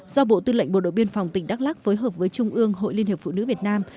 do bộ tư lệnh bộ đội biên phòng tỉnh đắk lắc phối hợp với trung ương hội liên hiệp phụ nữ việt nam